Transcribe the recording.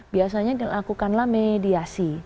biasanya dilakukanlah mediasi